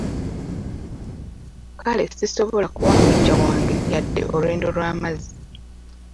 Kale sisobola kuwa muggya wange yadde olwendo lw'amazzi.